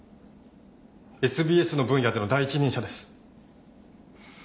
ＳＢＳの分野での第一人者です。